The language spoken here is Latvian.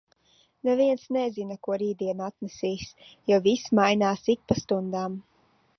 Neviens nezina, ko rītdiena atnesīs, jo viss mainās ik pa stundām...